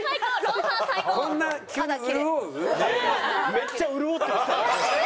めっちゃ潤ってきた。